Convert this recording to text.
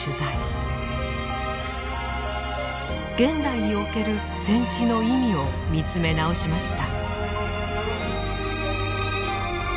現代における戦死の意味を見つめ直しました。